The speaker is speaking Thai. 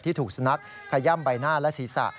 ถูกสุนัขขย่ำใบหน้าและศีรษะ